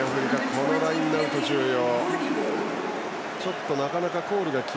このラインアウト重要。